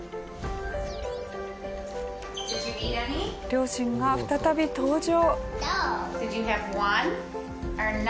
両親が再び登場。